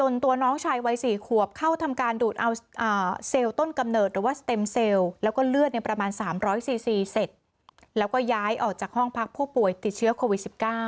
แล้วก็ย้ายออกจากห้องพักผู้ป่วยติดเชื้อโควิด๑๙